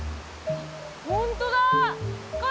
本当だ。